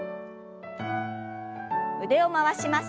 腕を回します。